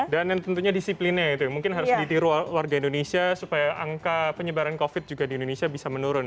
dan tentunya disiplinnya ya mungkin harus ditiru warga indonesia supaya angka penyebaran covid juga di indonesia bisa menurun